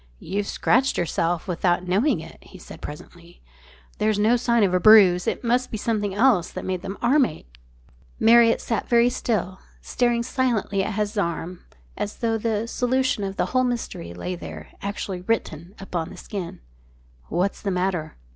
"You've scratched yourself without knowing it," he said presently. "There's no sign of a bruise. It must be something else that made the arm ache." Marriott sat very still, staring silently at his arm as though the solution of the whole mystery lay there actually written upon the skin. "What's the matter?